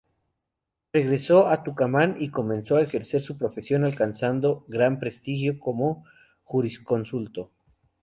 Regresó a Tucumán y comenzó a ejercer su profesión alcanzando gran prestigio como jurisconsulto.